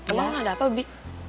emang ada apa bi